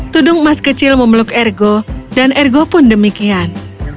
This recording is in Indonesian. tudung emas kecil memeluk ergo dan ergo pun demikian